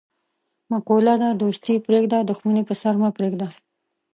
مقوله ده: دوستي پرېږده، دښمني په سر مه پرېږده.